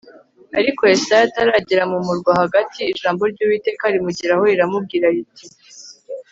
ariko yesaya ataragera mu murwa hagati, ijambo ry'uwiteka rimugeraho riramubwira riti